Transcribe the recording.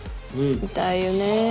痛いよね。